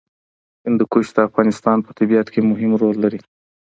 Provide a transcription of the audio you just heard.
هندوکش د افغانستان په طبیعت کې مهم رول لري.